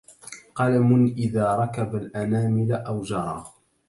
قلم إذا ركب الأنامل أو جرى